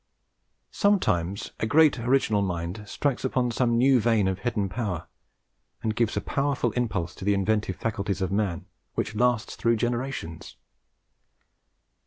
Sometimes a great original mind strikes upon some new vein of hidden power, and gives a powerful impulse to the inventive faculties of man, which lasts through generations.